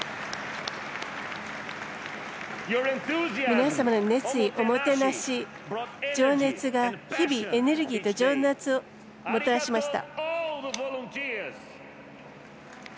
皆様の熱意、おもてなし情熱が、日々、エネルギーと情熱をもたらしました。